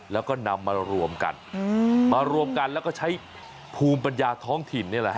แล้วก็นำมารวมกันมารวมกันแล้วก็ใช้ภูมิปัญญาท้องถิ่นนี่แหละฮะ